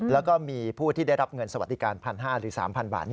แล้วก็มีผู้ที่ได้รับเงินสวัสดิการ๑๕๐๐หรือ๓๐๐บาท